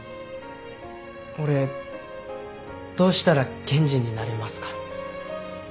俺どうしたら検事になれますか？